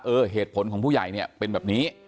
เหตุผลของผู้ใหญ่เนี่ยเป็นแบบนี้